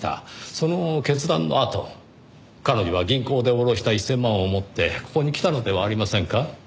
その決断のあと彼女は銀行で下ろした１０００万を持ってここに来たのではありませんか？